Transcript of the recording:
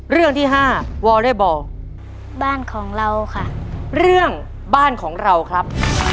เรื่องบ้านของเราครับ